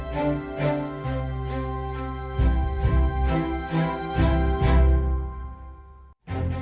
เจ้งคุณหมอว่าวันที่สามเมษจะกลับวันที่สี่ใช่ไหมคะ